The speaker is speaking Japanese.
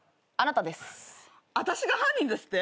あたしが犯人ですって？